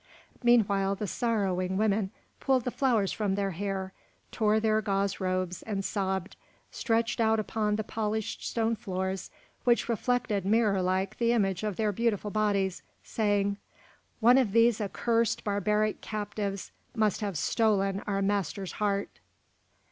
Meanwhile the sorrowing women pulled the flowers from their hair, tore their gauze robes, and sobbed, stretched out upon the polished stone floors which reflected, mirror like, the image of their beautiful bodies, saying, "One of these accursed barbaric captives must have stolen our master's heart."